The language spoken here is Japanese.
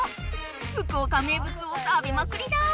福岡名物を食べまくりだ！